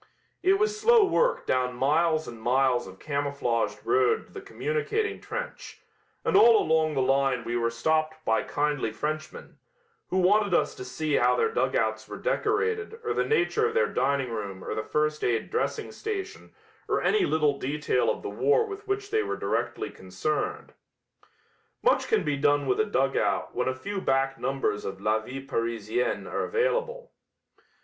It was slow work down miles and miles of camouflaged road to the communicating trench, and all along the line we were stopped by kindly Frenchmen, who wanted us to see how their dugouts were decorated or the nature of their dining room or the first aid dressing station or any little detail of the war with which they were directly concerned. Much can be done with a dugout when a few back numbers of La Vie Parisienne are available.